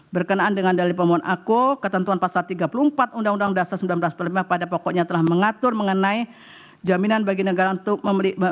berkenaan dengan dalil pemohon aku ketentuan pasal tiga puluh empat undang undang dasar seribu sembilan ratus empat puluh lima pada pokoknya telah mengatur mengenai jaminan bagi negara untuk memiliki